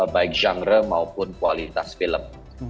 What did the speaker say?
baik genre maupun kualitas film